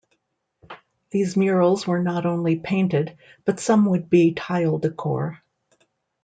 These murals were not only painted but some would be tile decor.